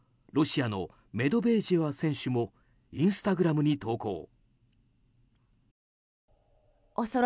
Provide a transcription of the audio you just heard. ロシアのメドベージェワ選手もインスタグラムに投稿。